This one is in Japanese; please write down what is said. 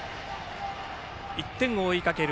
１点を追いかける